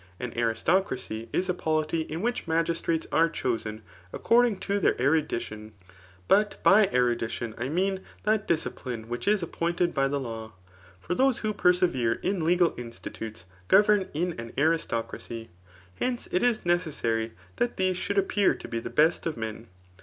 An aristocracy is a polity in which magistrates are chosen according to dieir erudi tion ; but by erudition I mean that discipline which is appointed by the law. For those who persevere in legal institutes, govern in an aristocracy. . Hence, it is neces sary that these should appear to be the best of men.